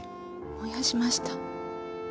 燃やしました。